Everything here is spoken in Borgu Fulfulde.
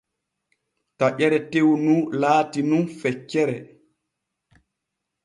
Taƴeere tew nu laati nun feccere.